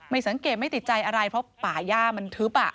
สังเกตไม่ติดใจอะไรเพราะป่าย่ามันทึบ